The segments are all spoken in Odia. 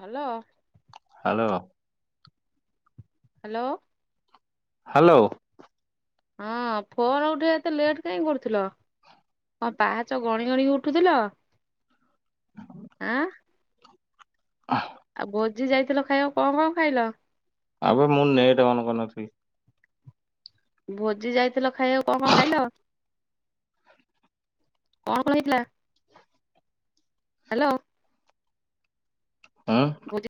ହ୍ୟାଲୋ। ହ୍ୟାଲୋ। ହ୍ୟାଲୋ। ହ୍ୟାଲୋ। ହଁ ଫୋନ ଉଠେଇବା ଏତେ ଲେଟ୍ କାହିଁ କରୁଥିଲ। ହଁ ପାହାଚ ଗଣି ଗଣି ଉଠୁଥିଲ ଆଁ। ଆଉ ଭୋଜି ଯାଇଥିଲ ଖାଇବା କଣ କଣ ଖାଇଲ? ଆବେ ମୁଁ ନେଟେ ଅନ୍ କରିନଥିଲି। ଭୋଜି ଯାଇଥିଲ ଖାଇବାକୁ କଣ କଣ ଖାଇଲ? କଣ କଣ ହେଇଥିଲା? ହ୍ୟାଲୋ। ଭୋଜି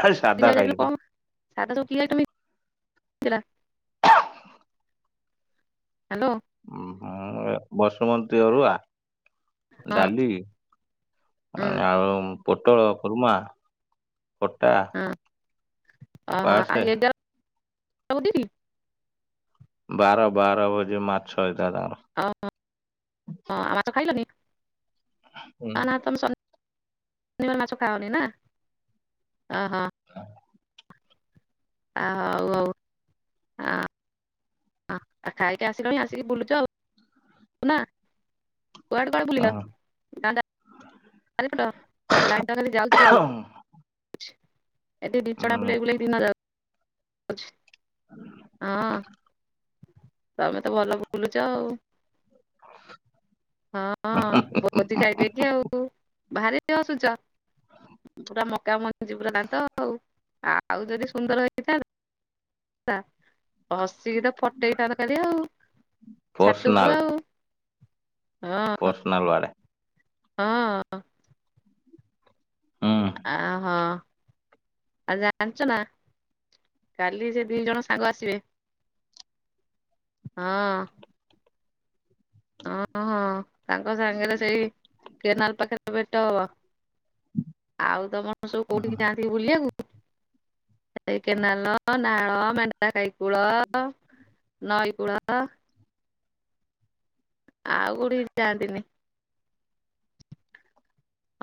ହୁଁ ସାଧା ଖାଇଲି ବା। ସାଦା ତ କି ଆଇଟମ ହେଇଥିଲା। ହ୍ୟାଲୋ ବସୁମତୀ ଅରୁଆ ହଁ ଡାଲି ହଁ ଆଉ ପୋଟଳ କୁରୁର୍ମା ଖଟା ଅ ଆ ପାସେ ଏଗି [unintelligible] ବାର ବାର ଭୋଜି ମାଛ [unintelligible] ଓ ଆ ମାଛ ଖାଇଲାନି ହୁଁ ଆ ନା ତମ ଶନି ମାଛ ଖାାଉନି ନା ଅହୋ। [unintelligible] ହ ହଉ ଆଉ ହ ଆଉ ଖାଇକି ଆସିଲଣି ଆସିକି ବୁଲୁଛ ଆଉ ନା। କୁଆଡେ କୁଆଡେ ବଲିଲ? [unintelligible] ଖାରପଟ ଲାଇନ ତ ଖାଲି ଯାଉଛି ଆଉ ଏତେ ଦି ଚା ବୁଲେ ଏୁ ଦିନ ଯାଉ ହଁ। ତମେ ତ ଭଲ ବୁଲୁଛ ଆଉ। ହଁ ବହୁଧି ଖାଇଦେକି ଆଉ। ଭାରି ହସୁଛ। ପୁରା ମକା ମଞ୍ଜି ପୂରା ଦାନ୍ତ ଆଉ ଆଉ ଯଦି ସୁନ୍ଦର ହେଇ [unintelligible] ହସିକି ତ ଫଟେଇ ଥାଆନ୍ତ ଖାଲି ଆଉ ଛାତୁକୁ ଆଉ। ହଁ ପର୍ସନାଲ୍ଳ ଆଡ଼େ। ହଁ। ହୁଁ। ଅହୋ ଆଉ ଜାଣିଛ ନା କାଲି ସେ ଦି ଜଣ ସାଙ୍ଗ ଆସିବେ ହଁ। ଓ ହଁ ତାଙ୍କ ସାଙ୍ଗରେ ସେଇ କେନାଲ ପାଖରେ ଭେଟ ହବ। ଆଉ ତମର ସବୁ କୋଉଠିକି ଯାଆନ୍ତି କି ବୁଲିବାକୁ। ସେ କେନାଲ ନାଳ ମେଣ୍ଣ୍ଡତାା କାଇ କୂଳ ନଇ କୁଳ ଆଉ କୋଉଠିିକି ଯହାନ୍ତିନି।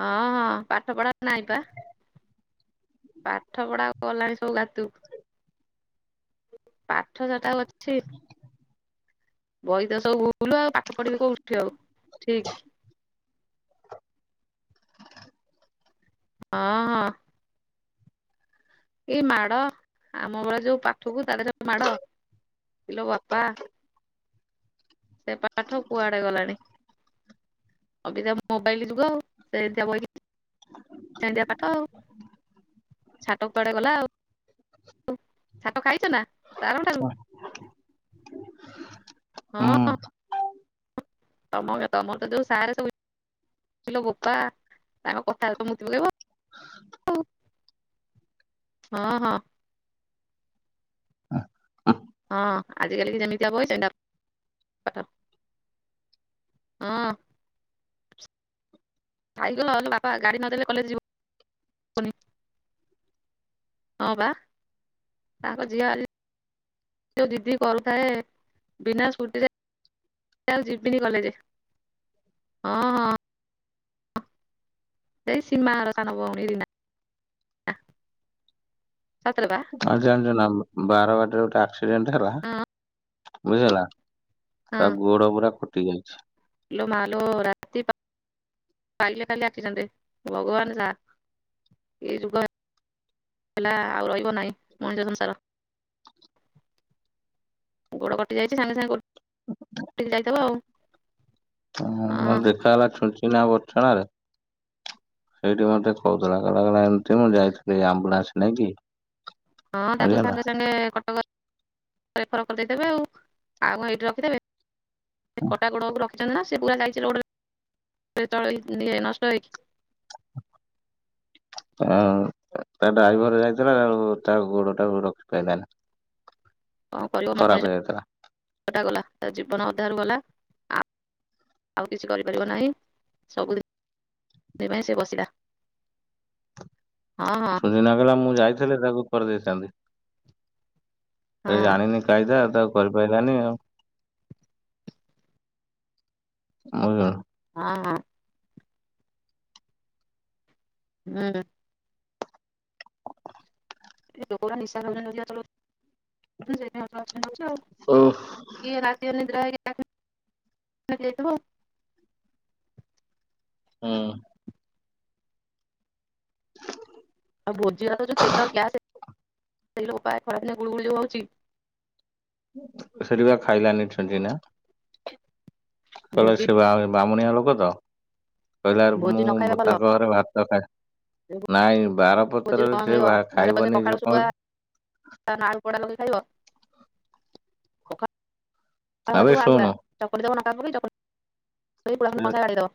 ହଁ, ହଁ ପାଠ ପଢା ନାଇଁ ପା। ପାଠ ପଢା ଗଲାଣି ସବୁ ଗାତକୁ। ପାଠ ସେଟା ଆଉ ଅଛି। ବହି ତ ସବୁ ଭୁଲୁ ଆଉ ପାଠ ପଢିବେ କୋଉଠି ଆଉ। ଠିକ [inaudible] ହଁ, ହଁ। ଏଇ ମାଡ ଆମ ବେଳେ ଯୋଉ ପାଠକୁ ତା ଦେହରେ ଯୋଉ ମାଡ। ଇଲୋ ବାପା। ସେ ପାଠ କୁଆଡେ ଗଲାଣି। ଅବିକା ମୋବାଇଲ୍ ଯୁଗ ଆଉ ସେମତିଆ ବହିକି ସେମତିଆ ପାଠ ଆଉ। ଛାଟ କୁଆଡେ ଗଲା ଆଉ। ଉ, ଛାଟ ଖାଇଚ ନା ସାର୍ ଙ୍କ ଠାରୁ? ହୁଁ ହଁ। ତୋମର ତୋମର ତ ଯୋଉ ସାର୍ ସବୁ ଇଲୋ ବୋପା ତାଙ୍କ କଥାରେ ତ ମୁତି ପକେଇବୁ ଆଉ। ହଁ, ହଁ। ହଁ ଆଜିକାଲି କି ଯେମିତିଆ ବହି ସେମିତିଆ ପାଠ। ହଁ। ସାଇକେଲ ହଁ ଲୋ ବାପା ଗାଡ଼ି ନଦେଲେ କଲେଜ୍ ଯିବ ବୁନି। ହଁ ବା ତାଙ୍କ ଝିଅ ଆଜି ଯୋଉ ଜିଦି କରୁଥାଏ ବିନା ସ୍କୁଟି ରେ ଯେ ଆଉ ଯିବିନି କଲେଜେ। ଅଁ, ହଁ। ସେଇ ସିମା ଘର ସାନ ଭଉଣୀ ରିନା। ଆଃ ଆଉ ଜାଣିଚୁ ନା ବାରବାଟୀ ରେ ଗୋଟେ ଆକ୍ସିଡେଣ୍ଟ ହେଲା, ହଁ ବୁଝିଲୁନା। ହଁ ତା ଗୋଡ଼ ପୁରା କଟି ଯାଇଛି। ଲୋ ମାଲୋ ରାତି ପା ପାଇଲେ ଖାଲି ଆକ୍ସିଡେଣ୍ଟ। ଭଗବାନ ସାହା, ଏଇ ଯୁଗ ହେ ହେଲା ଆଉ ରହିବ ନାଇଁ ମଣିଷ ସଂସାର। ଗୋଡ କଟି ଯାଇଚି ସାଙ୍ଗେ ସାଙ୍ଗେ କ ହଁ ମୋ ଦେଖା ହେଲା ଛୁଚ ହେଇ ନା ବଛଣା ରେ ସେଇଠି ମୋତେ କହୁଥୁଲା କ କହିଲା ଏମତି ମୁଁ ଯାଇଥିଲି ଆମ୍ବୁଲାନ୍ସ ନେଇକି। ହଁ ତାକୁ ବୁଝିହେଲା। ସାଙ୍ଗେ ସାଙ୍ଗେ କଟକ ରେଫର୍ କରିଦେଇଥିବେ ଆଉ ଆଉ କଣ ଏଇଠି ରଖିଥିବେ କଟା ଗୋଡକୁ ର ଚନ୍ତି ନା ସିଏ ପୁରା ଯାଇଚି ରୋଡ୍ ରେ ଏ ତଳେ ଇଏ ନଷ୍ଟ ହେଇକି? ଆଉ ତା ଡାଇଭର ଯାଇଥିଲା ତା ଗୁ ତା ଗୋଡ ଟା ରଖିପାଇଲ ନା। କଣ କରିବ ମଣିଷଟା ଗଲା ଜୀବନ ଅଧାରୁ ଗଲା। ଆ ଆଉ କିଛି କରିପାରିବ ନାହିଁ। ସବୁଦିନ ପାଇଁ ସେ ବସିଲା। ହଁ ହଁ ସୁଦିନା କହିଲା ମୁଁ ଯାଇଥିଲି ତାକୁ କରିଦେଇଥାନ୍ତି। ସେ ହଁ ଜାଣିନି କାଇଦା ତାକୁ କରିପାରିଲାନି ଆଉ। ଆଉ ଯାହାର ହଁ। ନା। ଏ ଲୋକ ଗୁର ନିଶା ଖାଉଚନ୍ତି [inaudible] [unintelligible] [unintelligible] ଆଉ କିଏ ଓଃ। ରାତି ଅନିଦ୍ରା ହେଇକି [inaudible] [unintelligible] ହଁ। ଆଉ ଭୋଜି ତ ପେଟ ଯୋଉ ଗ୍ୟାସ୍ ହେଇଛି। ଏଇଲୋ ଵୋପା ଖରା ଦିନେ ଯୋଉ ଗୁଳୁଗୁଳି ହଉଛି। ସେଇଠି ବା ଖାଇଲାନି ଚେଣ୍ଡିନା। କହିଲା ସେ ଭୋଜି ସିଏ ବା ବ୍ରାହ୍ମନିଆ ଲୋକ ତ। କହିଲାରୁ ଭୋଜି ନ ଖାଇବା ମୁଁ ଭଲ। ତାଙ୍କ ଘରେ ଭାତ ଖାଏ। ନାଇଁ ବାର ଭୋଜିରୁ ପତରରେ ସେ ବା ଖାଇବନି ଝିଅ କଣ ନାଳ କୋଡ଼ା ଲଗେଇ ଖାଇବ? ଆବେ ପଖାଳ ଭାତ କୁ ଆଳୁ ପୋଡ଼ା ଶୁଣୁ ଚକଟି ଦବ ଲଙ୍କା ପକେଇକି ଚକଟିକି ପଖାଳେ ସେ କଂସାଏ ବାଡ଼େଇ ଦେବ।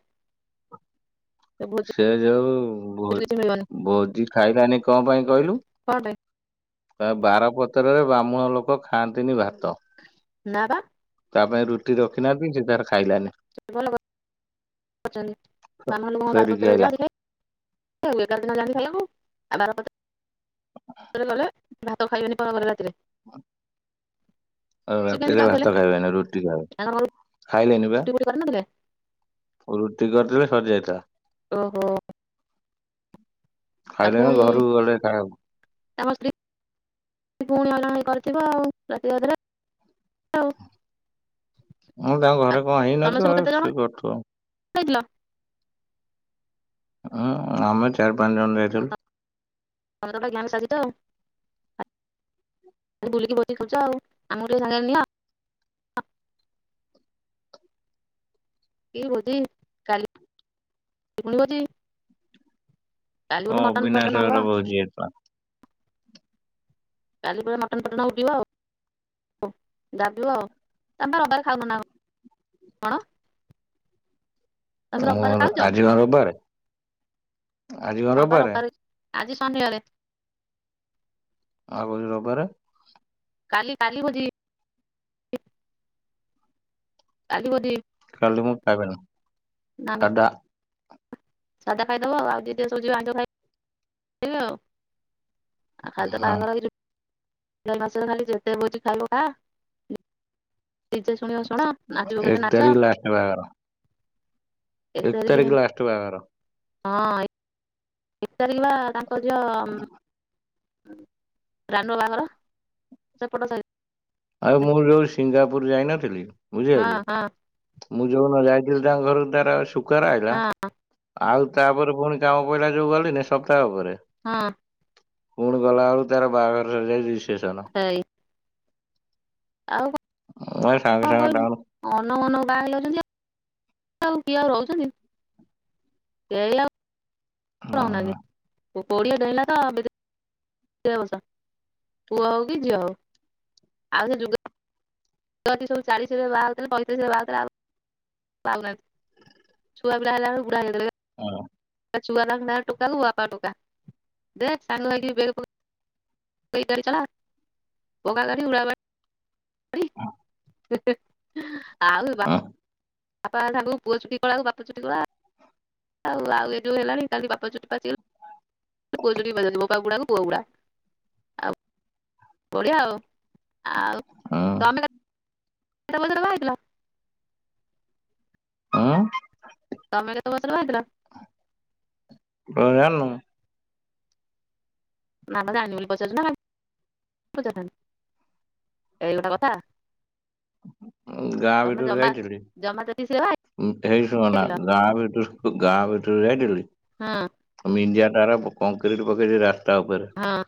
ସେ ଯୋଉ ଭୋ କିଛି ମିଳିବନି ଭୋଜି ଖାଇଲାନି କଣ ପାଇଁ କହିଲୁ? କଣ ପାଇଁ ବାରପତ୍ରରେ ବ୍ରାହ୍ମଣ ଲୋକ ଖାଆନ୍ତିନି ଭା ନା ବା। ତା ପାଇଁ ରୁଟି ରଖିନାହାନ୍ତି ସିଏ ତାର ଖାଇଲାନି [unintelligible] ବାମଲ ମ ଫେରିକି ବାରପତରେ ଆଇଲା ଜାଣିଥିଲେ ଏ ଏଗାର ଦିନ ଜାଣିଥିଲା ନା। ଆମର ଗଲେ ଭାତ ଖାଇବନି ପ ଗଲେ ରାତିରେ। ହଁ। ଆ ସେ କେମିତି ରାତିରେ ଯାଉଥିଲେ ଭାତ ଖାଇବେନି ରୁଟି ଖାଇବେ ତାଙ୍କର ଘରୁ ଖାଇଲେନି ବା। ରୁଟି ଫୁଟି କରିନଥିଲେ ରୁଟି କରିଥିଲେ ସରିଯାଇଥିଲା। ଓହୋ। ଖାଇଲେ ନା ଘରୁକୁ ଗଲେ ଖାଇବୁ ଆମ ସ୍ତ ପୁଣି ଅଣ କରିଥିବ ଆଉ ରାତିିଅଧରେ। ହଉ। ମୁଁ ତାଙ୍କ ଘରେ କଣ ହେଇନଥିବ ଆଉ ସିଏ କରୁଥିବ ଆଉ। କରିିଲ? ହୁଁ ଆମେ ଚାରି ପାଞ୍ଚ ଜଣ ତମେ ଯାଇଥିଲୁ। ଗ୍ୟାଙ୍ଗ ସାଜିଛ ତ ବୁଲିକି ଭୋଜି ଖାଉଛ ଆଉ ଆମକୁ ଟିକେ ଜଣେଇଲଣି? କି ଭୋଜି କାଲି ବି ଭୋଜି। ହଁ କାଲି ମଟନ୍ ଅବିନାଶ ଫଟନ ହବ। ଘର ଭୋଜି ହେଇଥିଲା କାଲି ପ ମଟନ ଫଟନ ହଉ ଥିବ ଆଉ। ଦବୁ ଆଉ ଆମେ ବା ରବିବାର ଖାଉନୁ ନା ଆଉ। କଣ? ତମେ ରବିବାରେ ମୋର ଖାଉଛ ଆଜି କଣ ରବିବାରେ? ଆଜି କଣ ହଁ ପା ରବିବାରେ? ଆଜି ଶନିବାରେ। ଆଉ କହୁଚୁ ରବିବାରେ। କାଲି କାଲି ଭୋଜି। କାଲି ଭୋଜି। କାଲି ମୁଁ ଖାଇବିନି ନା ନା ସାଧା। ସାଧା ଖାଇଦବ ଆଉ ଯିଏ ଯିଏ ସବୁ ଆଇଁଷ ଖାଇବେ। ଆତ ଖାଲି ହଁ ବାହାଘର ଭୋଜି। ଏ ମାସରେ ଖାଲି ଯେତେ ଭୋଜି ଖାଇବୁ ଖାଁ। ନିଜେ ଶୁଣିବ ଶୁଣ ନାଚିବ ଏକ କେତେ ନାଚ। ତାରିଖ ଲାଷ୍ଟ ବାହାଘର ଏକ ତାରିଖ ଲାଷ୍ଟ ବାହାଘର। ହଁ ଏ ତାରିଖ ବା ତାଙ୍କ ଝିଅ ରାନୁ ବାହାଘର ସେପଟ ସାହି। ଆଉ ମୁଁ ଯୋଉ ସିଙ୍ଗାପୁର ଯାଇନଥିଲି ହଁ ବୁଝିପାଇଲୁ। ହଁ ମୁଁ ଯୋଉ ଦିନ ଯାଇଥିଲି ତାଙ୍କ ଘରକୁ ତାର ଶୁଖାର ହେକା। ହଁ ଆଉ ତାପରେ ପୁଣି କାମ ପଇଲା ଯୋଉ ଗଲିଣିି ସପ୍ତାହ ଉପରେ। ହଁ। ପୁଣି ଗଲା ବେଳକୁ ତାର ବାହାଘର ସରିଜାଇଚି ତା ରିସେପ୍ସନ। ସେଇ ଆଉ। ମୁଁ ଏଇ ସାଙ୍ଗେ କଣ ସାଙ୍ଗେ କହିବୁ ଟାଉନ ହୁଁ ଅନଉ ଅନଉ ବାହାହେଲ ଝିଅ। ଉ କିଏ ଆଉ ରହୁଚନ୍ତି ଏଇ ଆଉ ନା କୋଡିଏ ଡେଇଁଲେ ତ [unintelligible] ପୁଅ ହଉ କି ଝିଅ ହଉ ଆଉ ସେ ଯୁଗ ଅଛି ସବୁ ଚାଳିଶ ବାହାଥିଲା ପଇତିରିଶ ବାହାଥିଲା ଆଉ ଆଉନାହାନ୍ତି ଛୁଆପିଲା ହେଲା ବେଳକୁ ବୁଢ଼ା ହେଇ [unintelligible] ହୁଁ ଛୁଆ [unintelligible] ଟୁକା କୁ ବାପା ଟୋକା ଦେଖ ସାଙ୍ଗ ହେଇକି ବେଲ [unintelligible] [unintelligible] ଆଉ ସେ ବାପ୍ ହୁଁ ବାପା [unintelligible] ପୁଅ ଚୁଟି କଳାକୁ ବାପା ଚୁଟି କଳା। ଆଉ ଆଉ ଏଇ ଯୋ ହେଲାନି କାଲି ବାପା ଚୁଟି ପାଚିଗଲା ପୁଅ ଚୁଟି ପାଚି ଯାଉଚି ବୋପା ବୁଡା ପୁଆ ବୁଡା ଆଉ ବଢିଆ ଆଉ। ଆଉ ହୁଁ ତମେ ଏ ମଝିରେ ବାହା ହୋଇଥିଲ? ହଁ। ତମେ କେତେ ବୟସରେ ବାହା ହେଇଥିଲ? କ ଜାନୁ ନାବପା ଜାଣିନି ବୋଲି ପଚାରୁଛିନା କାଇଁକି ପଚାରି ଥାଆନ୍ତି। ଏଇ ଗୋଟା କଥା। ଗାଁ ତମେ ଭିତରୁକୁ ଜମା ଯାଇଥିଲି। ଜମା ତେତିଶରେ ବାହା ହେଇ ଶୁନା ହେଇଥିଲ ଗାଁ ଭିତରୁ ଗାଁ ଭିତରୁ ଯାଇଥିଲି। ହଁ ମିଜିଆ ତାରା କଂଙ୍କକ୍ରିଟ ପକେଇଛି ରାସ୍ତା ଉପରେ ହଁ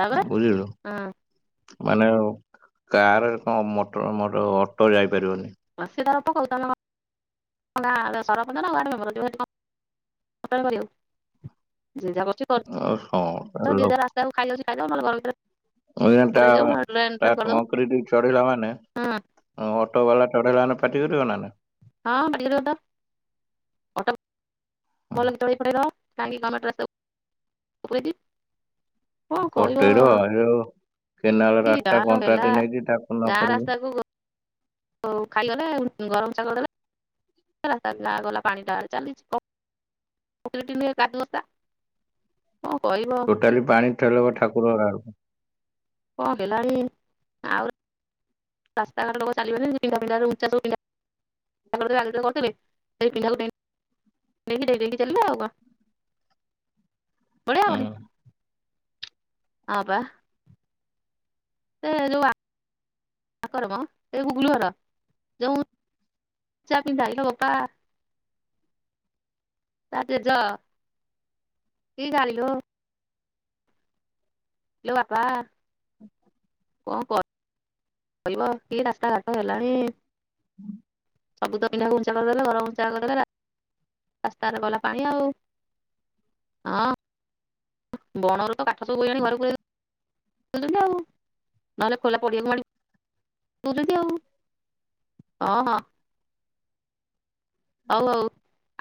ତାପରେ ବୁଝିଲୁ ହଁ। ମାନେ କାରରେ କଣ ମଟ ମଟ ଅଟୋ ଯାଇପାରିବନି। ହଁ ସିଏ ତାର ପକାଉ ତମେ କଣ ତାର ସରପଞ୍ଚ ନା ୱାର୍ଡ ମେମ୍ବର [unintelligible] [unintelligible] ଜି ଯା ଆଉ ହଁ କରଛି ଜି ଯା ରାସ୍ତାକୁ ଖାଇ ଯାଉଛି ଖାଇ ଘର ଭିତରେ ଐଅଟା ପୁରେଇ ଦଉ ନହେଲେ ଡ୍ରେନ୍ ତା ଫ୍ରେନ୍ କରିଦଉ ଟ୍ରଙ୍କରେ ଦେଇ ଚଢିଲ ମାନେ ହୁଁ ଅଟୋ ବାଲା ଚଢେଇଲାନେ ପାଟି କରିବ ନା। ହଁ ପାଟି କରିବ ତ [unintelligible] କାହିକିଁ [unintelligible] କଣ କହିବ? କଟେଇର ଏ କେନାଲ ଏ ଗାଁ ରାସ୍ତା ଲ ହେଲା କଣ୍ଟ୍ରାକ୍ଟ ନେଇଛି ତାକୁ ନ ଗାଁ କରିକି ରାସ୍ତାକୁ ହଉ ଖାଇଗଲେ ଗରମ ଶାଗଲା ତା ଗାଁ ଗଲା ପାଣି ଡା ଚାଲିଛି କ [unintelligible] ଟୋଟାଲି ପାଣି ଠେଲ ବା ଠାକୁର ଘର ଆଡୁ। ଙ୍କ ହେଲାଣି ଆଉ ରାସ୍ତାଘାଟ ଲୋକ ଚାଲିବେନି ସୁବିଧା ସୁଧ ଉଚ୍ଚା ସୁବିଧା [unintelligible] ନେଇକି ଦେଇ ଦେଇକି ଚାଲିଲେ ଆଉ ଙ୍କ ବଡେ ଆବନି ଆ ବା। ସେ ଯୋଉ ଆମର ମ ଏ ଗୁଗୁଲୁ ଘର ଯଉ [unintelligible] ତା ଜେଜ କି ଗାଳି ଲୋ। ଆଲୋ ବାପା ଙ୍କ ମ କହିବ କି ରାସ୍ତା ଘାଟ ହେଲାଣି। ହୁଁ। ସବୁ ତ ପିନ୍ଧା ଘଞ୍ଚା କରିଦେଲେ ଘରମ ଘଞ୍ଚା କରିଦେଲେ ରାସ୍ତାରେ ଗଲା ପାଣି ଆଉ। ହଁ। ବଣ ର ତ କାଠ ସବୁ ହେ ଆଣି ଘରକୁ [unintelligible] ଉ ନହେଲେ ଖୋଲା ପଡିିଆକୁ [unintelligible] ଆଉ ହଁ ହଁ। ହଉ ହଉ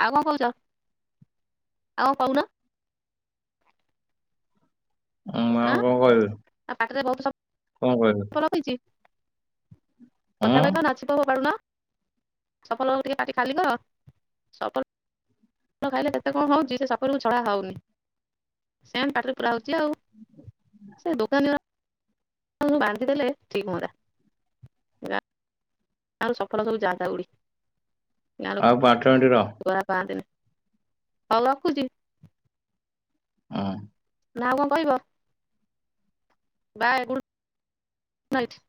ଆଉ କଣ କହୁଛ? ଆଉ କଉନ। ମୁଁ ଆଉ ଆଁ କଣ କହିବି। ଆଉ ବହୁତ ସବୁ କଣ କହିବି। ହୁଁ କଥା କହି ପାରୁନ [unintelligible] ଫୋପଡୁନ। ସପଲ ଟିକେ ପାଟି ଖାଲିବ। [unintelligible] ଫଳ ଖାଇଲେ କେତେ କଣ ହଉଛି ସେ ସଫଲକୁ ଛଡ଼ା ହଉନି ସେମିତି ପାଟିରେ ପୁରା ହଉଛି ଆଉ ସେ ଦୋକାନୀର ବାନ୍ଧି ଦେଲେ ଠିକ ହୁଅନ୍ତା ଗାଁରୁ ସଫଳ ସବୁ ଯାଆନ୍ତା ଉଡି ଆଉ ପାଞ୍ଚ ମିନିଟ ରହ। ଗାଁଲୁକ ଗୁରା ପାଆନ୍ତିନି ହଉ ରଖୁଛି। ହଁ। ନା ଆଉ କଣ କହିବ ବା [unintelligible]